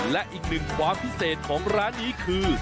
และอีกหนึ่งความพิเศษของร้านนี้คือ